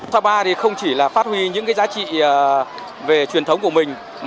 sapa thì không chỉ là phát huy những cái giá trị về truyền thống của mình